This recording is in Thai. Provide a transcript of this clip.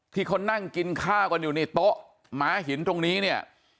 ที่เขานั่งกินข้าวกันอยู่ในโต๊ะม้าหินตรงนี้เนี่ย